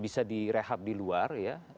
bisa direhab di luar ya